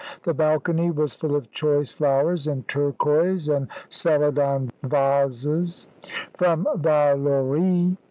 The balcony was full of choice flowers in turquoise and celadon vases from Vallauris.